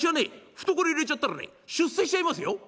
懐入れちゃったらね出世しちゃいますよ。